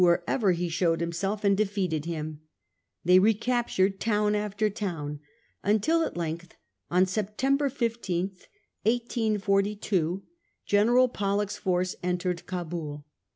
wherever he showed himself and defeated him. They recaptured town after town, until at length, on Sep tember 15, 1842, General Pollock's force entered Cabul.